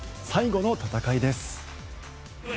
最後の戦いです。